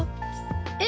えっ！